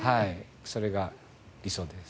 それが理想です。